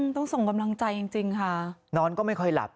ต้องส่งกำลังใจจริงค่ะนอนก็ไม่ค่อยหลับ